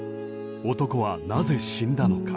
男はなぜ死んだのか。